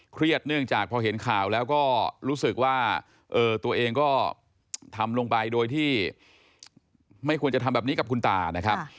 เนื่องจากพอเห็นข่าวแล้วก็รู้สึกว่าตัวเองก็ทำลงไปโดยที่ไม่ควรจะทำแบบนี้กับคุณตานะครับ